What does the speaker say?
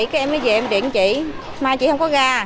cái em mới về em điện chị mai chị không có ga